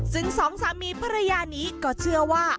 ซึ่งสองสามีภรรยานี้ก็เชื่อว่า